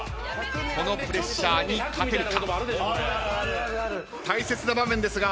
このプレッシャーに勝てるか？